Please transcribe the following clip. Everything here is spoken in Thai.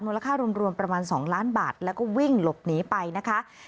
ค่ารวมประมาณ๒ล้านบาทแล้วก็วิ่งหลบหนีไปนะคะ